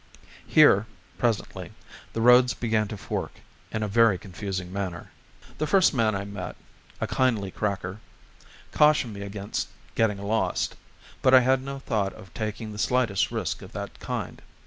Here, presently, the roads began to fork in a very confusing manner. The first man I met a kindly cracker cautioned me against getting lost; but I had no thought of taking the slightest risk of that kind.